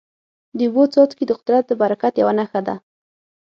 د اوبو څاڅکي د قدرت د برکت یوه نښه ده.